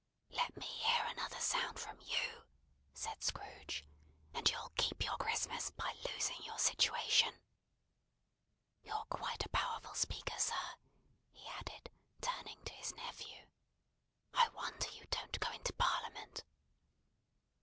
"Let me hear another sound from you," said Scrooge, "and you'll keep your Christmas by losing your situation! You're quite a powerful speaker, sir," he added, turning to his nephew. "I wonder you don't go into Parliament."